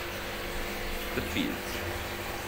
The Fields